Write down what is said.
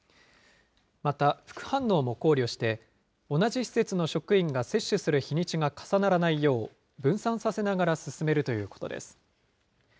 また副反応も考慮して、同じ施設の職員が接種する日にちが重ならないよう分散させながら進めるということです。